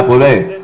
ya boleh silahkan